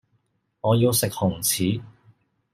我要食紅柿